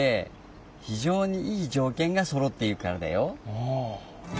ああ。